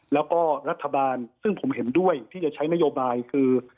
แล้วก็รัฐบาลซึ่งผมเห็นด้วยที่จะใช้นโยบายคือ